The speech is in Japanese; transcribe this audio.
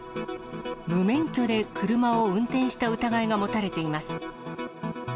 無免許で車を運転した疑いが持たれています。